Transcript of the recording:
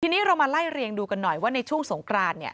ทีนี้เรามาไล่เรียงดูกันหน่อยว่าในช่วงสงกราน